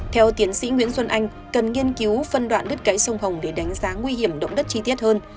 theo tiến sĩ nguyễn xuân anh cần nghiên cứu phân đoạn đất gãy sông hồng để đánh giá nguy hiểm động đất chi tiết hơn